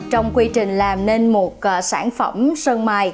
trong quy trình làm nên một sản phẩm sơn mài